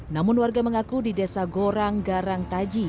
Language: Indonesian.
namun warga mengaku di desa gorang garang taji